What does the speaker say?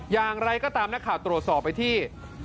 อย่างไรก็ตามนะคะตรวจสอบไปที่